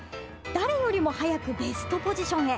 誰よりも早くベストポジションへ。